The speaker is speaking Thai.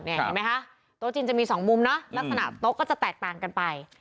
เห็นไหมคะโต๊ะจีนจะมีสองมุมเนอะลักษณะโต๊ะก็จะแตกต่างกันไป